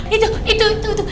itu itu itu itu